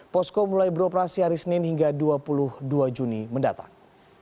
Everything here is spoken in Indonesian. posko mulai beroperasi hari senin hingga dua puluh dua juni mendatang